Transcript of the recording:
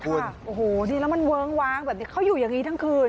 โอ้โฮแล้วมันเวิ้งว้างเขาอยู่อย่างนี้ทั้งคืน